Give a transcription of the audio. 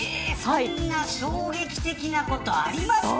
そんな衝撃的なことありますか。